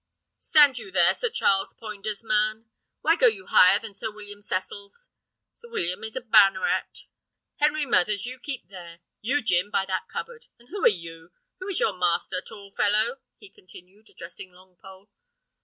"Stand you here, Sir Charles Poynder's man; why go you higher than Sir William Cecil's? Sir William is a banneret. Harry Mathers, you keep there. You, Jim, by that cupboard. And who are you? Who is your master, tall fellow?" he continued, addressing Longpole.